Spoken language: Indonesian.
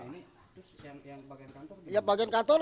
nah ini yang bagian kantor